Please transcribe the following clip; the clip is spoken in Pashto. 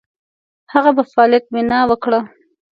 هغه په فعالیت بناء وکړه.